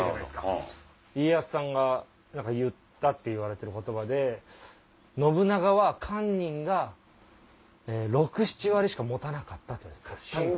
家康さんが言ったっていわれてる言葉で信長は堪忍が６７割しか持たなかった。